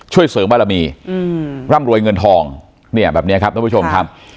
ช่วยเสริมบารมีอืมร่ำรวยเงินทองเนี่ยแบบเนี้ยครับท่านผู้ชมครับ